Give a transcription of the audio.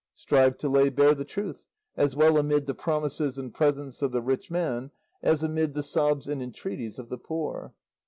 "Strive to lay bare the truth, as well amid the promises and presents of the rich man, as amid the sobs and entreaties of the poor.